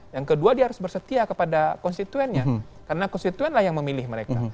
yang kedua dia harus bersetia kepada konstituennya karena konstituen lah yang memilih mereka